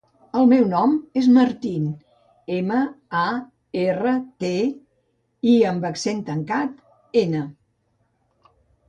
El meu nom és Martín: ema, a, erra, te, i amb accent tancat, ena.